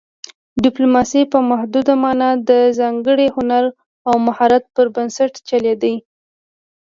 ډیپلوماسي په محدوده مانا د ځانګړي هنر او مهارت پر بنسټ چلند دی